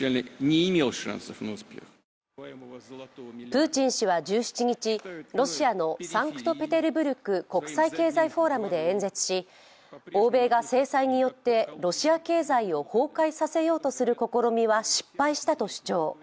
プーチン氏は１７日、ロシアのサンクトペテルブルク国際経済フォーラムで演説し、欧米が制裁によって、ロシア経済を崩壊させようとする試みは失敗したと主張。